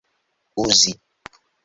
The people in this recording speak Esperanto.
uzi